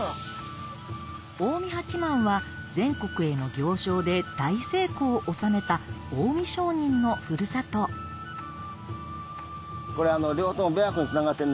近江八幡は全国への行商で大成功を収めた近江商人のふるさと両方とも。